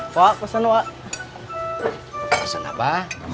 pak pesan pesan apa